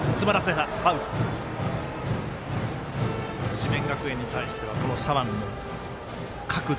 智弁学園に対しては左腕の角度